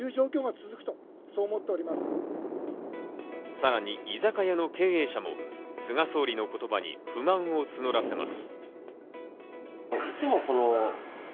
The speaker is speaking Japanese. さらに居酒屋の経営者も菅総理の言葉に不満を募らせます。